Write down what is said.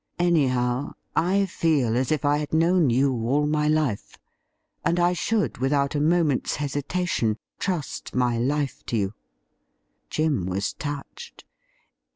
Anyhow, I feel as if I had known you all my life, and I should without a moment's hesitation trust my life to you.' Jim was touched.